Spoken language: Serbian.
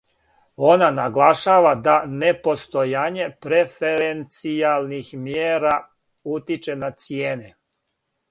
Она наглашава да непостојање преференцијалних мјера утиче на цијене.